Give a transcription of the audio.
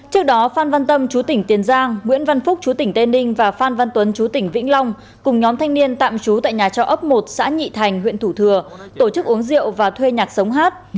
trước đó phan văn tâm chú tỉnh tiền giang nguyễn văn phúc chú tỉnh tây ninh và phan văn tuấn chú tỉnh vĩnh long cùng nhóm thanh niên tạm trú tại nhà trọ ấp một xã nhị thành huyện thủ thừa tổ chức uống rượu và thuê nhạc sống hát